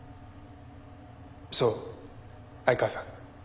そう相川さん